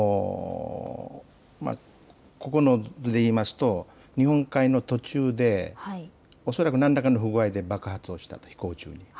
この図で言いますと日本海の途中で恐らく何らかの不具合で爆発をしたと、飛行中に。